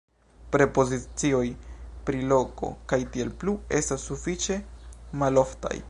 Prepozicioj pri loko ktp estas sufiĉe maloftaj.